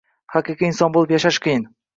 Haqiqiy inson bo‘lib yashash qiyin